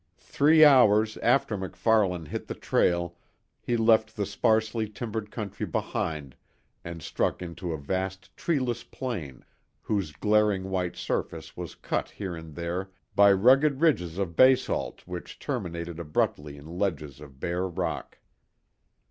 Three hours after MacFarlane hit the trail he left the sparsely timbered country behind and struck into a vast treeless plain whose glaring white surface was cut here and there by rugged ridges of basalt which terminated abruptly in ledges of bare rock.